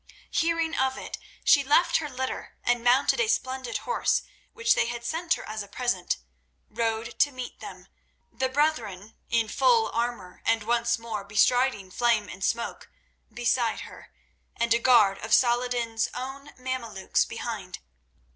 Hearing of it, she left her litter, and mounting a splendid horse which they had sent her as a present, rode to meet them, the brethren, in full armour and once more bestriding Flame and Smoke, beside her, and a guard of Saladin's own Mameluks behind.